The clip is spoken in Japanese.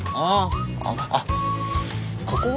ああ。